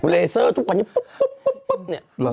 เลเซอร์ทุกวันนี้ปุ๊บเนี่ย